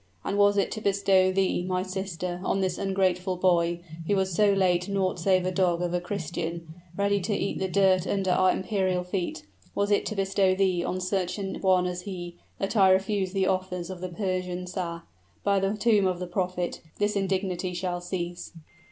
And was it to bestow thee, my sister, on this ungrateful boy, who was so late naught save a dog of a Christian, ready to eat the dirt under our imperial feet, was it to bestow thee on such an one as he, that I refused the offers of the Persian Shah! By the tomb of the prophet! this indignity shall cease!"